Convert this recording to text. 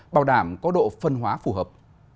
bảo đảm có độ phân hóa phù hợp